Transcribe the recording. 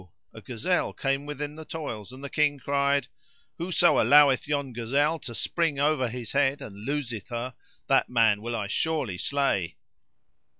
a gazelle came within the toils and the King cried, "Whoso alloweth yon gazelle to spring over his head and loseth her, that man will I surely slay."